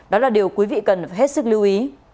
đó là điều quý vị cần phải hết sức lưu ý